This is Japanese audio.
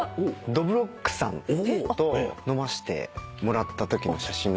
どぶろっくさんと飲ましてもらったときの写真。